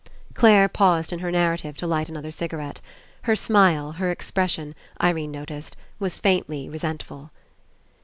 Clare paused in her narrative to light another cigarette. Her smile, her expression, Irene noticed, was faintly resentful.